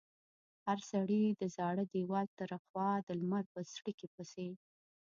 هر سړي د زاړه دېوال تر خوا د لمر په څړیکې پسې.